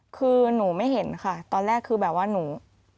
คือหนูไม่เห็นค่ะตอนแรกคือแบบว่าหนู